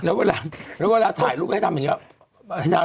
แล้วเวลาถ่ายรูปให้ทำอย่างนี้